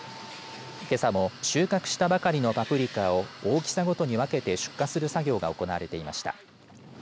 けさも収穫したばかりのパプリカを大きさごとに分けて出荷する作業が行われていました。